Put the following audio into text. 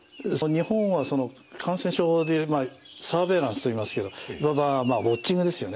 日本は感染症でサーベイランスと言いますけどいわばウォッチングですよね